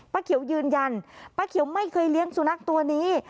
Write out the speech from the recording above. เขียวยืนยันป้าเขียวไม่เคยเลี้ยงสุนัขตัวนี้